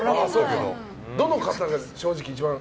どの方が正直、一番。